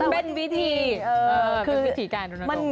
เป็นวิธีการรุนตรง